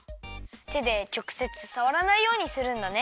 手でちょくせつさわらないようにするんだね。